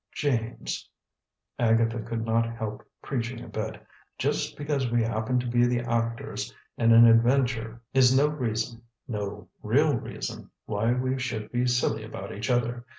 "James," Agatha could not help preaching a bit, "just because we happen to be the actors in an adventure is no reason, no real reason, why we should be silly about each other.